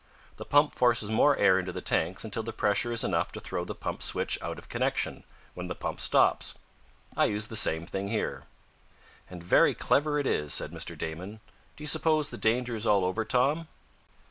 The pump forces more air into the tanks until the pressure is enough to throw the pump switch out of connection, when the pump stops. I use the same thing here." "And very clever it is," said Mr. Damon. "Do you suppose the danger is all over, Tom?"